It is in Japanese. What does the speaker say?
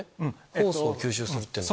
ホウ素を吸収するっていうのは？